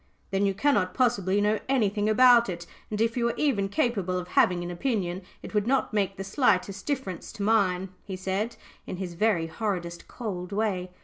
"Then you cannot possibly know anything about it; and if you were even capable of having an opinion, it would not make the slightest difference to mine," he said, in his very horridest cold way.